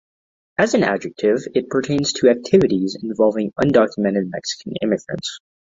As an adjective, it pertains to activities involving undocumented Mexican immigrants.